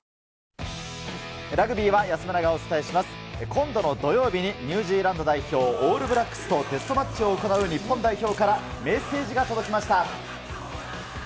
今度の土曜日にニュージーランド代表、オールブラックスとテストマッチを行う日本代表から、メッセージが届きました。